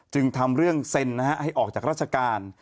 ทำเรื่องเซ็นให้ออกจากราชการ